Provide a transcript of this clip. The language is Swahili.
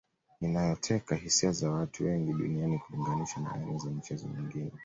inayoteka hisia za watu wengi duniani kulinganisha na aina za michezo mingine